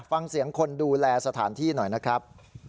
ฟังเสียงคนดูแลสถานที่หน่อยนะครับ